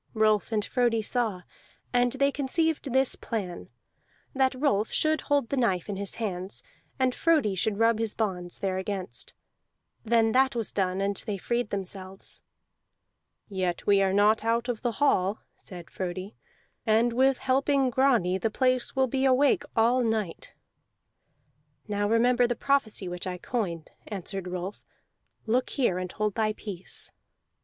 Rolf and Frodi saw; and they conceived this plan, that Rolf should hold the knife in his hands, and Frodi should rub his bonds thereagainst. Then that was done, and they freed themselves. "Yet we are not out of the hall," said Frodi, "and with helping Grani the place will be awake all night." "Now remember the prophecy which I coined," answered Rolf. "Look here and hold thy peace."